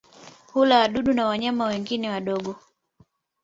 Hula wadudu na wanyama wengine wadogo.